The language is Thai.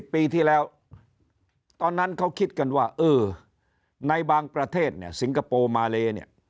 ๒๐ปีที่แล้วตอนนั้นเขาคิดกันว่าในบางประเทศสิงคโปร์มาเล